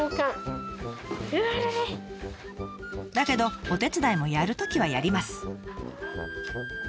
だけどお手伝いもやるときはやります。